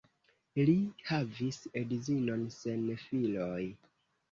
Li havis edzinon sen filoj.